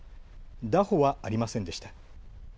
拿捕はありませんでした。